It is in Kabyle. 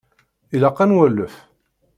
Ilaq ad nwalef.